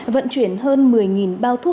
vận chuyển hơn một mươi bao thuốc